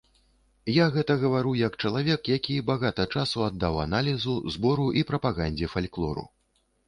Я гэта гавару як чалавек, які багата часу аддаў аналізу, збору і прапагандзе фальклору.